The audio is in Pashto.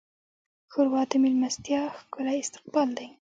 ښوروا د میلمستیا ښکلی استقبال دی.